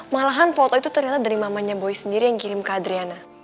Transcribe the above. malahan foto itu ternyata dari mamanya boy sendiri yang kirim ke adriana